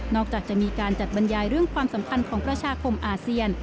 จากจะมีการจัดบรรยายเรื่องความสัมพันธ์ของประชาคมอาเซียน